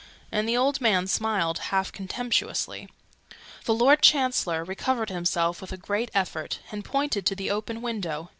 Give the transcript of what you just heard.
And the old man smiled, half contemptuously. The Lord Chancellor recovered himself with a great effort, and pointed to the open window.